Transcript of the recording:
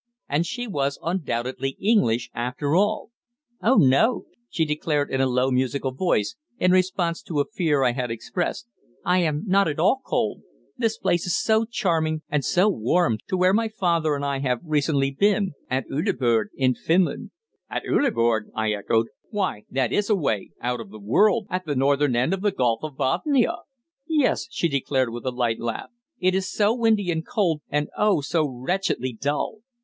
And she was undoubtedly English, after all! "Oh no," she declared in a low, musical voice, in response to a fear I had expressed, "I am not at all cold. This place is so charming, and so warm, to where my father and I have recently been at Uleaborg, in Finland." "At Uleaborg!" I echoed. "Why, that is away out of the world at the northern end of the Gulf of Bothnia!" "Yes," she declared, with a light laugh. "It is so windy and cold, and oh! so wretchedly dull."